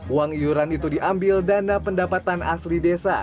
uang iuran itu diambil dana pendapatan asli desa